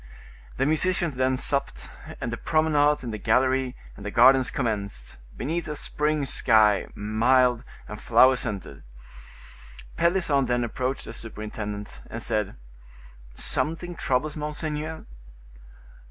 The musicians then supped, and the promenades in the gallery and the gardens commenced, beneath a spring sky, mild and flower scented. Pelisson then approached the superintendent, and said: "Something troubles monseigneur?"